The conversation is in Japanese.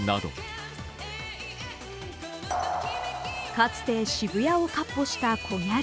かつて渋谷をかっ歩したコギャル。